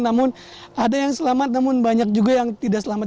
namun ada yang selamat namun banyak juga yang tidak selamat